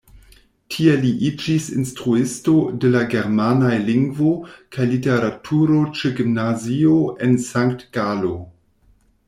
Tie li iĝis instruisto de la germanaj lingvo kaj literaturo ĉe gimnazio en Sankt-Galo.